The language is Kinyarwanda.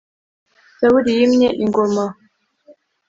Sawuli yimye ingoma